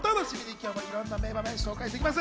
今日もいろんな名場面紹介して行きます。